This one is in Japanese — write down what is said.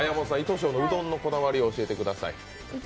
庄のうどんのこだわりを教えてください。